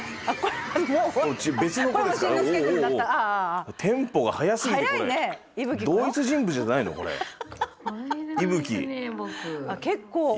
あっ結構。